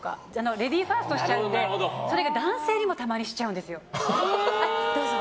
レディーファーストしちゃってそれが男性にもたまにしちゃうんですよ。